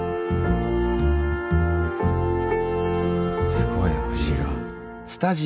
すごい星が。